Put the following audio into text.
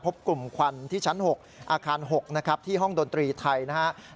พบกลุ่มควันที่ชั้น๖อาคาร๖นะครับที่ห้องดนตรีไทยนะครับ